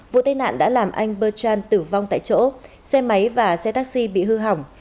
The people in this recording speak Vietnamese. vụ tai nạn đã làm anh bertrand tử vong tại chỗ xe máy và xe taxi bị hư hỏng